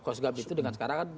kop sus gap itu dengan sekarang